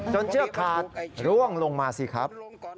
เชือกขาดร่วงลงมาสิครับ